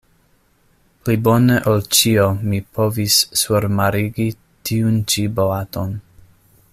Pli bone ol ĉio mi povis surmarigi tiun-ĉi boaton.